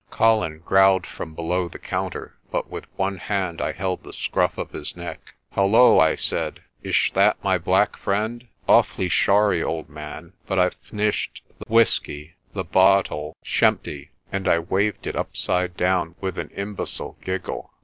Colin growled from below the counter but with one hand I held the scruff of his neck. "Hullo," I said, ish that my black friend? Awfly shorry, old man, but I've Pnish'd th j whisky. The bo o ottle shempty," and I waved it upside down with an imbecile giggle.